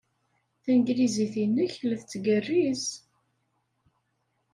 Tanglizit-nnek la tettgerriz.